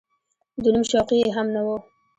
د نوم شوقي یې هم نه و.